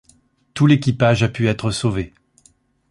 Tout l’équipage a pu être sauvé.